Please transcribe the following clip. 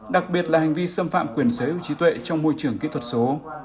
đặc biệt là hành vi xâm phạm quyền sở hữu trí tuệ trong môi trường kỹ thuật số